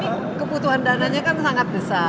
tapi kebutuhan dananya kan sangat besar